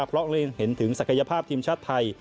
เพราะเล็งเห็นถึงศักยภาพทีมชาติไทย